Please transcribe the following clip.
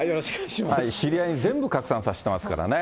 知り合いに全部拡散させてますからね。